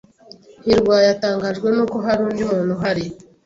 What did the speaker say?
hirwa yatangajwe nuko hari undi muntu uhari.